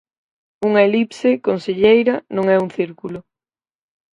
Unha elipse, conselleira, non é un círculo.